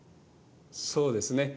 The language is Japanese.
そうですね。